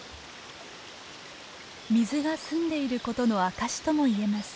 水が澄んでいることの証しとも言えます。